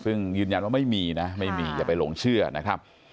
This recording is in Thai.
ซึ่งยืนยันว่าไม่มีนะไม่มีอย่าไปหลงเชื่อนะครับ